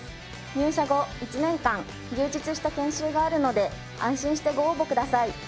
入社後１年間充実した研修があるので安心してご応募ください。